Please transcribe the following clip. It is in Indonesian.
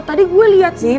oh tadi gue liat sih